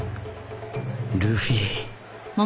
ルフィ